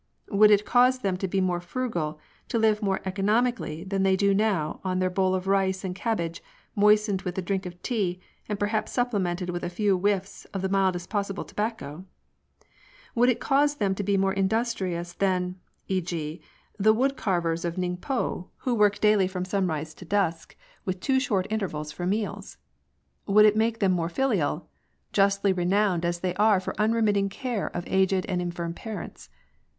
Would it cause them to be more frugal, to live more economi cally than they do now on their bowl of rice and cabbage, moistened with a drink of tea, and perhaps supplemented with a few whiffs of the mildest possible tobacco ? Would it cause them to be more industrious than — 6.(7., the wood carvers of Ningpo who work N 194 CHRISTIANITY. daily from sunrise to dusk, with two short intervals for meals ? Would it make them more filial ?— justly renowned as they are for unremitting care of aged and infirm parents.